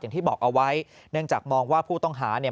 อย่างที่บอกเอาไว้เนื่องจากมองว่าผู้ต้องหาเนี่ย